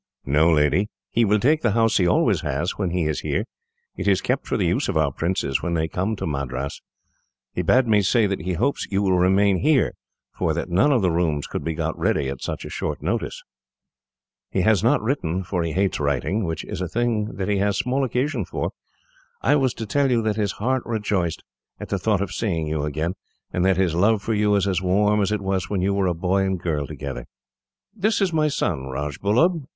"No, lady, he will take the house he always has, when he is here. It is kept for the use of our princes, when they come down to Madras. He bade me say that he hopes you will remain here, for that none of the rooms could be got ready, at such a short notice. "He has not written, for he hates writing, which is a thing that he has small occasion for. I was to tell you that his heart rejoiced, at the thought of seeing you again, and that his love for you is as warm as it was when you were a boy and girl together." "This is my son, Rajbullub.